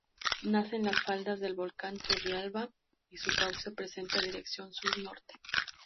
Nace en las faldas del volcán Turrialba y su cauce presenta dirección sur-norte.